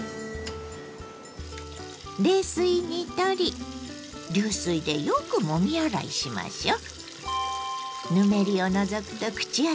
冷水にとり流水でよくもみ洗いしましょう。